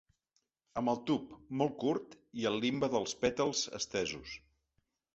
Amb el tub molt curt i el limbe dels pètals estesos.